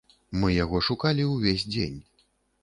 Мы яго шукалі увесь дзень.